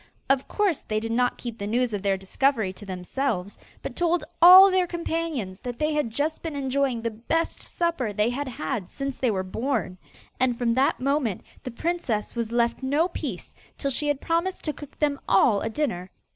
Of course they did not keep the news of their discovery to themselves, but told all their companions that they had just been enjoying the best supper they had had since they were born. And from that moment the princess was left no peace, till she had promised to cook them all a dinner.